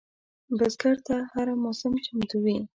بزګر ته هره موسم چمتو وي